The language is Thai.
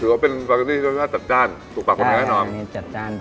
ถือว่าเป็นสปาเก็ตตี้ที่รสชาติจัดจ้าน